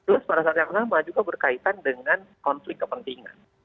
plus pada saat yang sama juga berkaitan dengan konflik kepentingan